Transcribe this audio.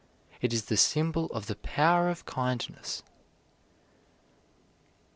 It is the symbol of the power of kindness."